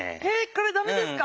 これダメですか？